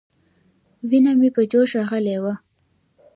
وينه مې په جوش راغلې وه.